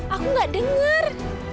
aku gak denger